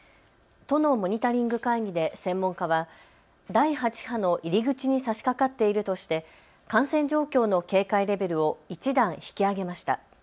都のモニタリング会議で専門家は第８波の入り口にさしかかかっているとして感染状況の警戒レベルを１段引き上げました。